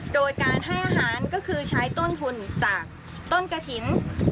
โดยการให้อาหารก็คือใช้ต้นทุนจากต้นกระถิ่น